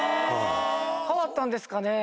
変わったんですかね？